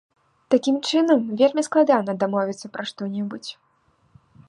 Такім чынам, вельмі складана дамовіцца пра што-небудзь.